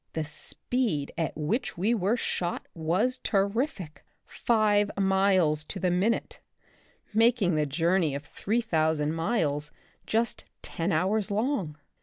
The speed at which we were shot was terriffic — five miles to the minute — making the journey of three thousand miles j ust ten hours long.